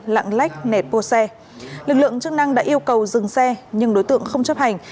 lặng lách nẹt bô xe lực lượng chức năng đã yêu cầu dừng xe nhưng đối tượng không chấp hành